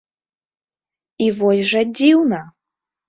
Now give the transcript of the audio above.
І вось жа дзіўна!